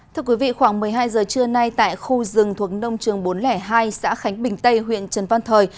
thưa quý vị khoảng một mươi hai giờ trưa nay tại khu rừng thuộc nông trường bốn trăm linh hai xã khánh bình tây huyện trần văn thời